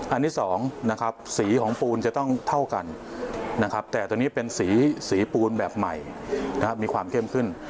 อันนี้๒นะครับสีของปูนจะต้องเท่ากันนะครับแต่ตัวนี้เป็นสีปูนแบบใหม่มีความเข้มขึ้น